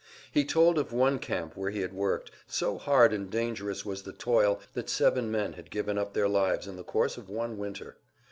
He told of one camp where he had worked so hard and dangerous was the toil that seven men had given up their lives in the course of one winter.